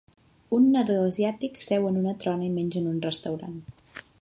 Un nadó asiàtic seu en una trona i menja en un restaurant.